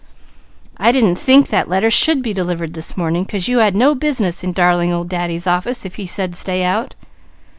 I didn't think that letter should be delivered this morning, 'cause you had no business in 'darling old Daddy's' office if he said 'stay out.'"